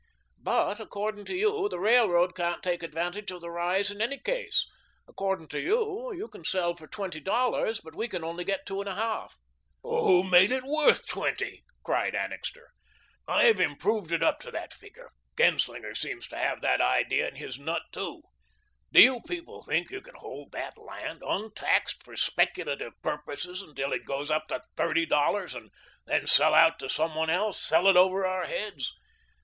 "But, according to you, the railroad can't take advantage of the rise in any case. According to you, you can sell for twenty dollars, but we can only get two and a half." "Who made it worth twenty?" cried Annixter. "I've improved it up to that figure. Genslinger seems to have that idea in his nut, too. Do you people think you can hold that land, untaxed, for speculative purposes until it goes up to thirty dollars and then sell out to some one else sell it over our heads?